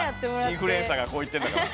インフルエンサーがこう言ってんだから。